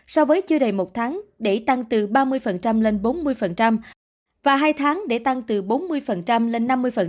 so với chưa đầy một tháng để tăng từ ba mươi lên bốn mươi và hai tháng để tăng từ bốn mươi lên năm mươi